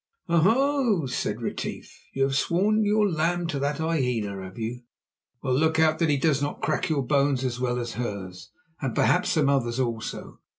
"Oho!" said Retief, "you have sworn your lamb to that hyena, have you? Well, look out that he does not crack your bones as well as hers, and perhaps some others also.